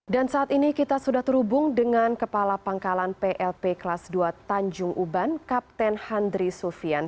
dan saat ini kita sudah terhubung dengan kepala pangkalan plp kelas dua tanjung uban kapten handri sulfian